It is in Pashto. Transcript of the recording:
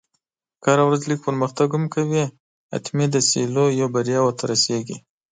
که هره ورځ لږ پرمختګ هم کوې، حتمي ده چې لویو بریاوو ته رسېږې.